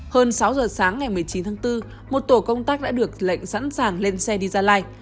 hơn sáu giờ sáng ngày một mươi chín tháng bốn một tổ công tác đã được lệnh sẵn sàng lên xe đi gia lai